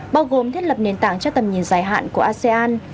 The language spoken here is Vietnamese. bao gồm thiết lập nền tảng cho tầm nhìn dài hạn của asean